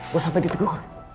gue sampai ditegur